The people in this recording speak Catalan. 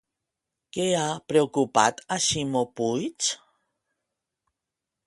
Què ha preocupat a Ximo Puig?